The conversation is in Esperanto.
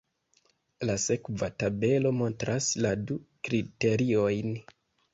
La sekva tabelo montras la du kriteriojn.